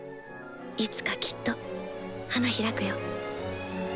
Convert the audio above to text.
いつかきっと花開くよ。